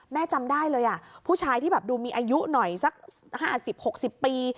จำได้เลยผู้ชายที่แบบดูมีอายุหน่อยสัก๕๐๖๐ปี